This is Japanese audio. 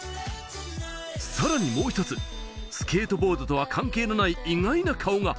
さらにもう一つ、スケートボードとは関係のない意外な顔が。